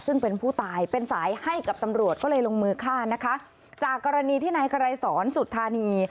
ซึ่งเป็นผู้ตายเป็นสายให้กับตำรวจก็เลยลงมือฆ่านะคะจากกรณีที่นายไกรสอนสุธานี